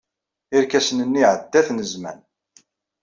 Irkasen-nni iɛedda-ten zzman.